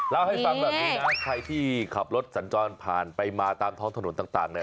เล่าให้ฟังแบบนี้นะใครที่ขับรถสัญจรผ่านไปมาตามท้องถนนต่างเนี่ย